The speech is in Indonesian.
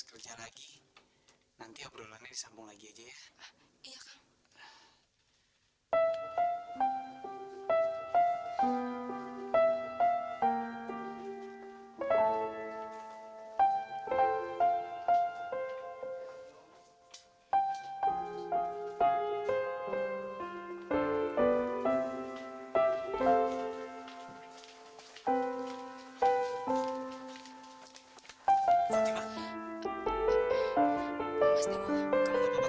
hai kenapa perasaanku enak kayak gini ya